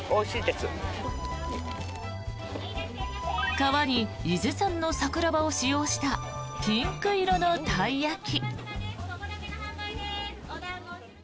皮に伊豆産の桜葉を使用したピンク色のたい焼き。